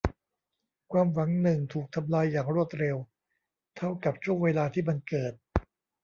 ความหวังหนึ่งถูกทำลายอย่างรวดเร็วเท่ากับช่วงเวลาที่มันเกิด